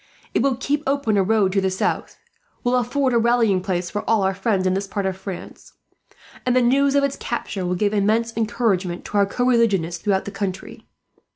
It will keep open a road to the south; will afford a rallying place for all our friends, in this part of France; and the news of its capture will give immense encouragement to our co religionists throughout the country.